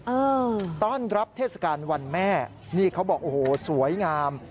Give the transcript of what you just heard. เออต้อนรับเทศกาลวันแม่นี่เขาบอกโอ้โหสวยงาม